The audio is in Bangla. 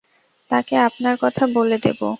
তাকে আপনার কথা বলে দেবো।